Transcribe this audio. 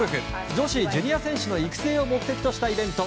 女子ジュニア選手の育成を目的としたイベント